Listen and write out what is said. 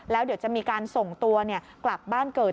แล้วเดี๋ยวจะมีการส่งตัวกลับบ้านเกิด